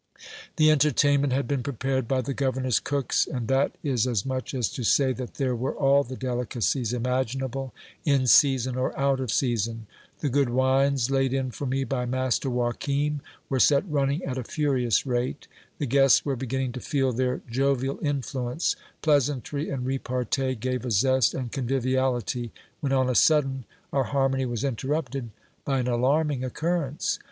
The entertainment had been prepared by the governor's cooks ; and that is as much as to say, that there were all the delicacies imaginable, in season or out of season. The good wines laid in for me by master Joachim, were set running at a furious rate ; the guests were beginning to feel their jovial influence, plea santry and repartee gave a zest and conviviality, when on a sudden our har mony was interrupted by an alarming occurrence.